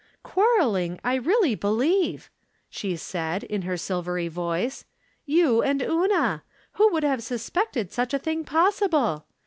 " Quarreling, I really believe !" she said, in her silvery voice. " You and Una ! Who would have suspected such a thing possible